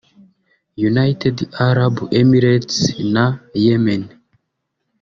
United Arab Emirates na Yemen